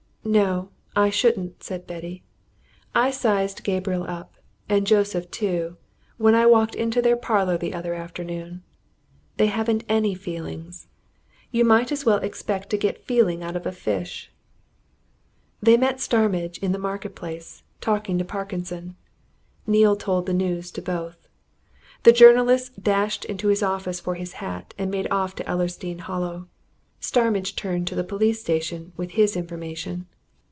"No, I shouldn't," said Betty. "I sized Gabriel up and Joseph, too when I walked into their parlour the other afternoon. They haven't any feelings you might as well expect to get feeling out of a fish." They met Starmidge in the Market Place talking to Parkinson. Neale told the news to both. The journalist dashed into his office for his hat, and made off to Ellersdeane Hollow: Starmidge turned to the police station with his information.